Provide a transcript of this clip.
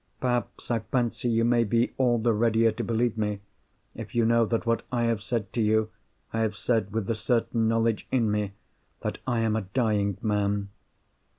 Perhaps, I fancy you may be all the readier to believe me, if you know that what I have said to you, I have said with the certain knowledge in me that I am a dying man.